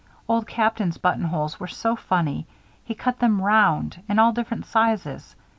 Old Captain's buttonholes were so funny. He cut them round and all different sizes.